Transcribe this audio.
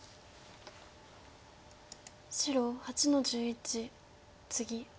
白８の十一ツギ。